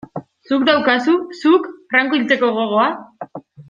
Zuk daukazu, zuk, Franco hiltzeko gogoa?